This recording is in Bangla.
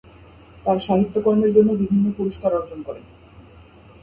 তার সাহিত্যকর্মের জন্য বিভিন্ন পুরস্কারে অর্জন করেন।